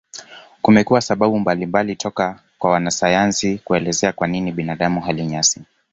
Kumekuwa sababu mbalimbali toka kwa wanasayansi kuelezea kwa nini binadamu hali nyasi.